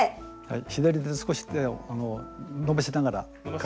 左で少し手を伸ばしながら片方の。